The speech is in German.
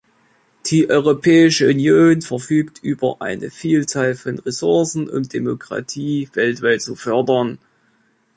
Die Europäische Union verfügt über eine Vielzahl von Ressourcen, um Demokratie weltweit zu fördern.